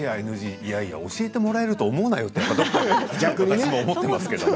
いやいや教えてもらえると思うなよと、逆に思いますよね。